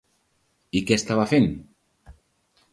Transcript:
I què estava fent?